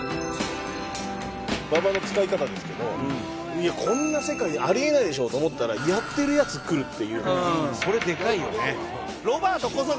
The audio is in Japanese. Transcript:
馬場の使い方ですけどこんな世界あり得ないでしょと思ったらやってるヤツ来るっていう。